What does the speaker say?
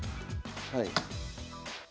はい。